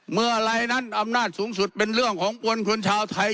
เมื่อไหร่นั้นอำนาจสูงสุดเป็นเรื่องของปวนคนชาวไทย